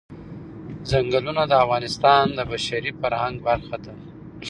ځنګلونه د افغانستان د بشري فرهنګ برخه ده.